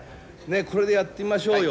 これでやってみましょうよ。